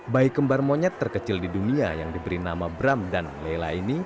bayi kembar monyet terkecil di dunia yang diberi nama bram dan lela ini